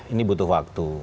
ini butuh waktu